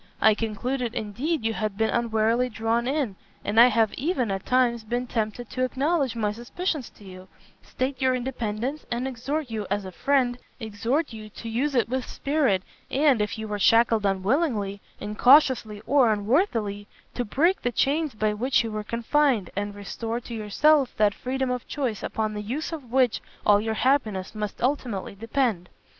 I concluded, indeed, you had been unwarily drawn in, and I have even, at times, been tempted to acknowledge my suspicions to you, state your independence, and exhort you as a friend, exhort you to use it with spirit, and, if you were shackled unwillingly, incautiously, or unworthily, to break the chains by which you were confined, and restore to yourself that freedom of choice upon the use of which all your happiness must ultimately depend.